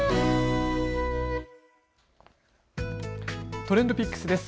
ＴｒｅｎｄＰｉｃｋｓです。